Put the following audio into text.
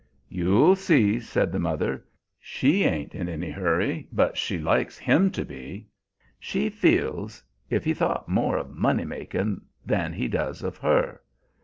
"You'll see," said the mother. "She ain't in any hurry, but she likes him to be. She feels's if he thought more of money makin' than he does of her.